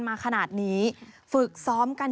มาขนาดนี้ฝึกซ้อมกัน